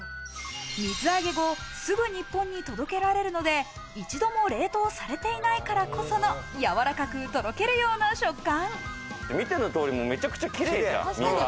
水揚げ後、すぐ日本に届けられるので、一度も冷凍されていないからこその、やわらかく、とろけるような食感。